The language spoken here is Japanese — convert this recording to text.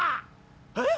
えっ？